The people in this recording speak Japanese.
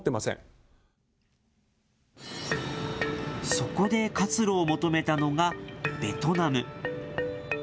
そこで活路を求めたのが、ベトナム。